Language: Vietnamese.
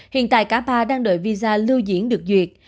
hiện tại cả ba đang đợi visa lưu diễn được duyệt